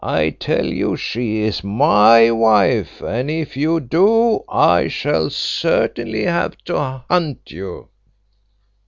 I tell you she is my wife, and if you do, I shall certainly have to hunt you."